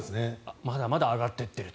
まだまだ上がっていっていると。